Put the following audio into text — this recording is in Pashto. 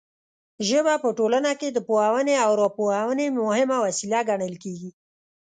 ژبه په ټولنه کې د پوهونې او راپوهونې مهمه وسیله ګڼل کیږي.